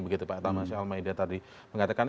pak atta masyah al ma'idah tadi mengatakan